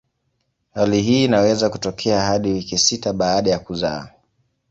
Hali hii inaweza kutokea hadi wiki sita baada ya kuzaa.